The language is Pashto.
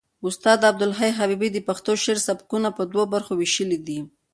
استاد عبدالحی حبیبي د پښتو شعر سبکونه په دوو برخو وېشلي دي.